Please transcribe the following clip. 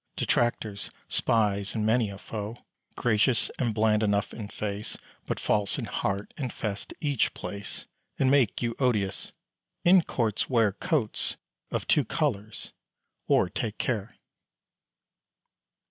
Detractors, spies, and many a foe, Gracious and bland enough in face, But false in heart, infest each place, And make you odious. In courts wear Coats of two colours, or take care.